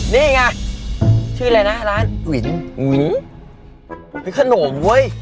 นี่ไงชื่ออะไรนะร้านหวินอุ้ยเป็นขนมเว้ย